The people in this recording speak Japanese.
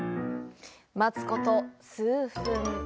待つこと数分。